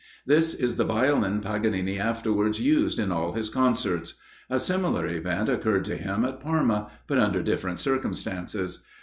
This is the Violin Paganini afterwards used in all his concerts. A similar event occurred to him at Parma, but under different circumstances.